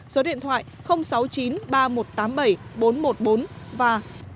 số điện thoại sáu mươi chín ba nghìn một trăm tám mươi bảy bốn trăm một mươi bốn và chín trăm linh chín sáu trăm hai mươi sáu